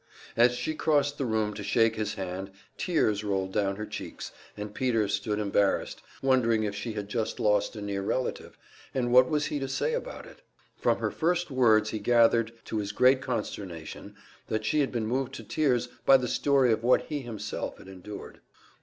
As she crossed the room to shake his hand tears rolled down her cheeks, and Peter stood embarrassed, wondering if she had just lost a near relative, and what was he to say about it. From her first words he gathered, to his great consternation, that she had been moved to tears by the story of what he himself had endured.